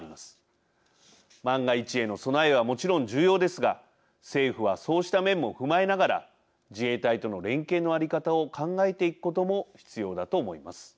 万が一への備えはもちろん重要ですが政府はそうした面も踏まえながら自衛隊との連携の在り方を考えていくことも必要だと思います。